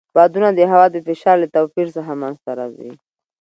بادونه د هوا د فشار له توپیر څخه منځته راځي.